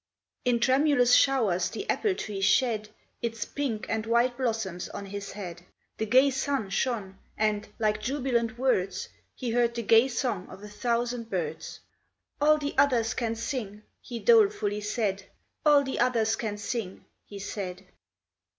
In tremulous showers the apple tree shed Its pink and white blossoms on his head ; The gay sun shone, and, like jubilant words. He heard the gay song of a thousand birds. '*A11 the others can sing," he dolefully said —*' All the others can sing," he said.